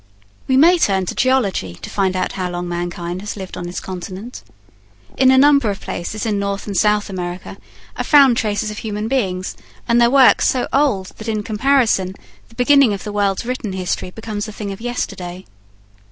We may turn to geology to find how long mankind has lived on this continent. In a number of places in North and South America are found traces of human beings and their work so old that in comparison the beginning of the world's written history becomes a thing of yesterday.